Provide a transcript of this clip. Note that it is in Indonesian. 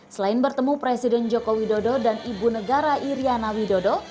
selain bertemu presiden joko widodo dan ibu negara iryana widodo